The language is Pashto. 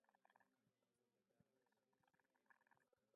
دغه جهادي فریضه هغه افغانان ترسره کوي.